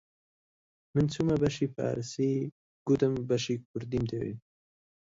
من چوومە بەشی فارسی، گوتم بەشی کوردیم دەوێ